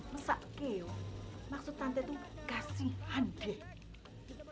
maksud tante tuh kasihan deh